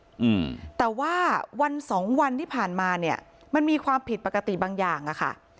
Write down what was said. อืมแต่ว่าวันสองวันที่ผ่านมาเนี้ยมันมีความผิดปกติบางอย่างอ่ะค่ะ